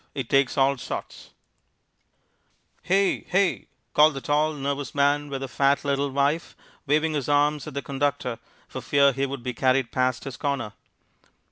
It Takes All Sorts "Hey, hey," called the tall, nervous man with the fat, little wife, waving his arms at the conductor for fear he would be carried past his corner.